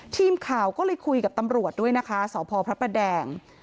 ทีมข่าวก็เลยคุยกับตำรวจด้วยนะคะสพพระประแดง